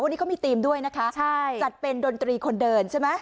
วันนี้เขามีธีมด้วยนะคะใช่จัดเป็นดนตรีคนเดินใช่ไหม